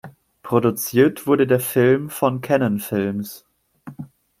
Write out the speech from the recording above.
Produziert wurde der Film von Cannon Films.